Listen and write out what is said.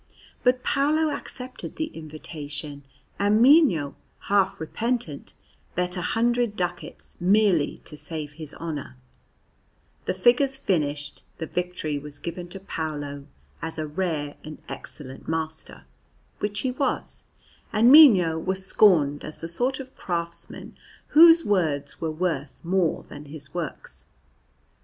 But Paolo accepted the invitation, and Mino, half repentant, bet a hundred ducats merely to save his honour The figures finished, the victory was given to Paolo as a rare and excellent master, which he was; and Mino was scorned as the sort of craftsman whose words were worth more than his works.